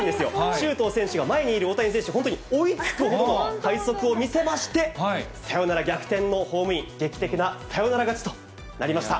周東選手が前にいる大谷選手に本当に追いつくほどの快足を見せまして、サヨナラ逆転のホームイン、劇的なサヨナラ勝ちとなりました。